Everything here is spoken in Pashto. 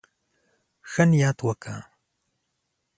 ښه نيت وکړه.